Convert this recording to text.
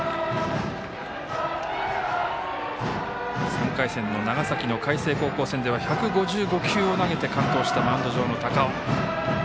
３回戦の長崎の海星高校戦では１５５球を投げて完投したマウンド上の高尾。